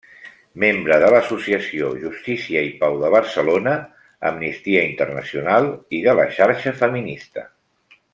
Membre de l'Associació Justícia i Pau de Barcelona, Amnistia Internacional i de la Xarxa Feminista.